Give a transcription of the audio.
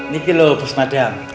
niki loh bos madang